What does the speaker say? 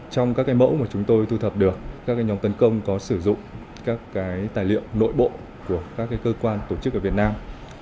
trong các mẫu mà chúng tôi thu thập được các nhóm tấn công có sử dụng các tài liệu nội bộ của các cơ quan tổ chức ở việt nam